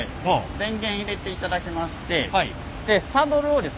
電源入れていただきましてでサドルをですね